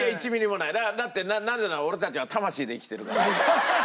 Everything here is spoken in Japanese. だってなぜなら俺たちは魂で生きてるから。